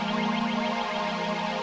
terima kasih bu